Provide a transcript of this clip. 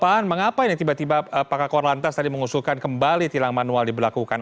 pak an mengapa ini tiba tiba pak kakor lantas tadi mengusulkan kembali tilang manual diberlakukan